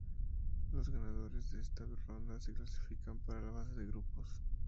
Los ganadores de esta ronda se clasificarán para la fase de grupos.